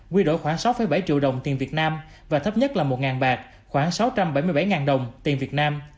quy đổi khoảng sáu bảy triệu đồng tiền việt nam và thấp nhất là một bạc khoảng sáu trăm bảy mươi bảy đồng tiền việt nam